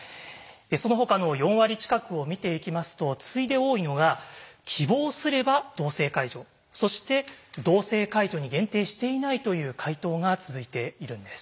そのほかの４割近くを見ていきますと次いで多いのが希望すれば同性介助そして同性介助に限定していないという回答が続いているんです。